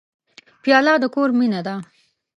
پیاله د کور مینه ده.